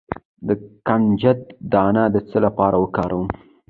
د کنجد دانه د څه لپاره وکاروم؟